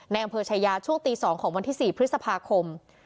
ในอังเภอชายาช่วงตีสองของวันที่สี่พฤษภาคม